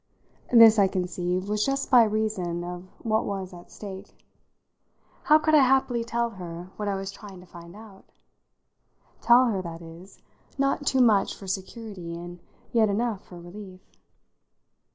This, I conceive, was just by reason of what was at stake. How could I happily tell her what I was trying to find out? tell her, that is, not too much for security and yet enough for relief?